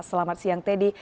selamat siang teddy